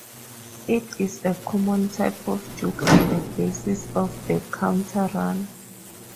It is a common type of juke and the basis of the counter run.